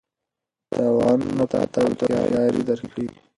تاوانونه به تا ته هوښیاري درکړي.